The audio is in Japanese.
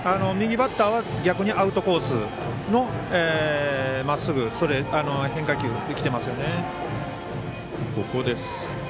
右バッターは逆にアウトコースのまっすぐ、変化球で来ていますね。